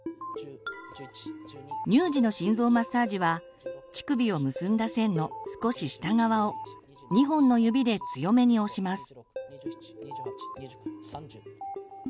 乳児の心臓マッサージは乳首を結んだ線の少し下側を２本の指で強めに押します。